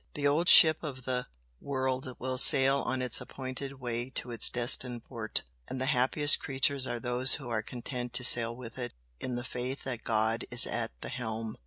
The old ship of the world will sail on its appointed way to its destined port, and the happiest creatures are those who are content to sail with it in the faith that God is at the helm!"